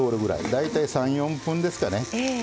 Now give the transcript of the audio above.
大体３４分ですかね